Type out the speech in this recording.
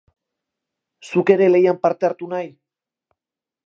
Zuk ere lehian parte hartu nahi?